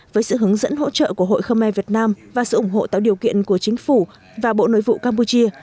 với sự hướng dẫn hỗ trợ của hội khơ me việt nam và sự ủng hộ tạo điều kiện của chính phủ và bộ nội vụ campuchia